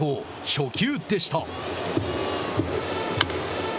初球でした。